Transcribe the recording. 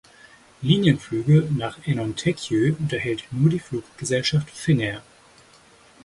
Linienflüge nach Enontekiö unterhält nur die Fluggesellschaft Finnair.